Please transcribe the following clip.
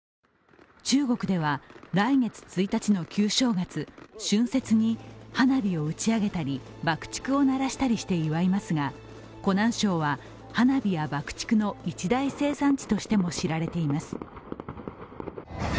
中国では来月１日の旧正月、春節に花火を打ち上げたり爆竹を鳴らしたりして祝いますが湖南省は花火や爆竹の一大生産地としても知られています。